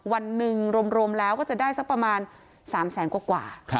วันหนึ่งรวมแล้วก็จะได้สักประมาณ๓แสนกว่า